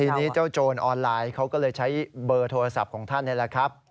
ทีนี้เจ้าโจรออนไลน์เขาก็เลยใช้เบอร์โทรศัพท์ของท่านนี่แหละครับ